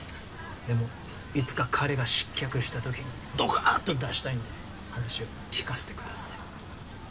でもいつか彼が失脚した時にドカッと出したいんで話を聞かせてください。